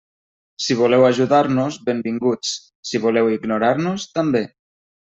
Si voleu ajudar-nos, benvinguts, si voleu ignorar-nos, també.